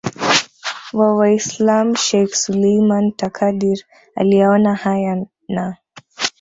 wa Waislam Sheikh Suleiman Takadir aliyaona haya na